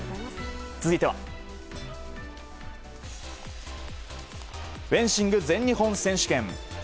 続いてはフェンシング全日本選手権。